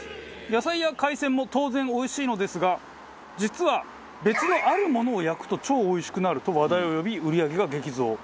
野菜や海鮮も当然おいしいのですが実は別のあるものを焼くと超おいしくなると話題を呼び売り上げが激増。